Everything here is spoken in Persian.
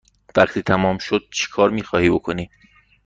وقتی تمام شد چکار می خواهی بکنی؟